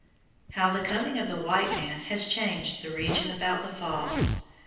How the coming of the white man has changed the region about the falls!